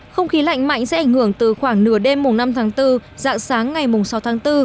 không khí lạnh mạnh sẽ ảnh hưởng từ khoảng nửa đêm năm tháng bốn dạng sáng ngày sáu tháng bốn